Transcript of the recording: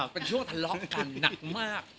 เป็นช่วงทะเลาะกันหนักมาก